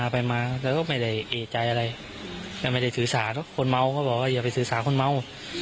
ปุ่นเม่งก็บอกอย่าไปถือสาคนเม่า